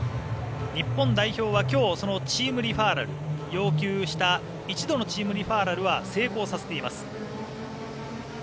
日本代表はきょうそのチームリファーラル要求した一度のチームリファーラルは成功させています。